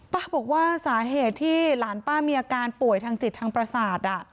ป้าบอกว่าสาเหตุที่หลานป้ามีอาการป่วยทางจิตทางประสาท